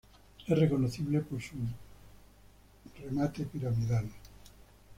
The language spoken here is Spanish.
Es reconocible por su un remate piramidal.